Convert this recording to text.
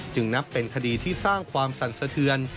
จึงนับเป็นคดีที่สร้างความสรรสเทือน